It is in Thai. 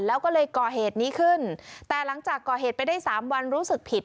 แล้วก็เลยก่อเหตุนี้ขึ้นแต่หลังจากก่อเหตุไปได้สามวันรู้สึกผิด